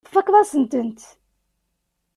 Tfakkeḍ-asent-t.